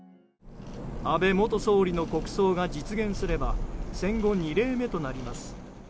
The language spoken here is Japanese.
安倍元総理の国葬が実現すれば戦後２例目となります。